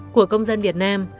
của công dân việt nam